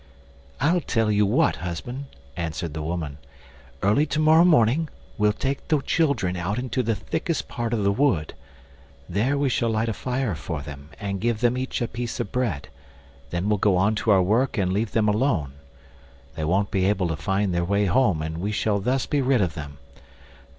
"I'll tell you what, husband," answered the woman; "early to morrow morning we'll take the children out into the thickest part of the wood; there we shall light a fire for them and give them each a piece of bread; then we'll go on to our work and leave them alone. They won't be able to find their way home, and we shall thus be rid of them."